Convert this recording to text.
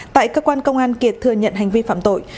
tại cơ quan công an kiệt thừa nhận hành vi phạm tội